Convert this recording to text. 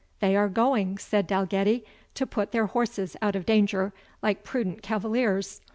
"They are going," said Dalgetty, "to put their horses out of danger, like prudent cavaliers.